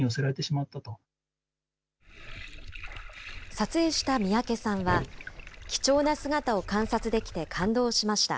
撮影した三宅さんは、貴重な姿を観察できて感動しました。